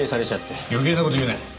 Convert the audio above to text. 余計な事言うな。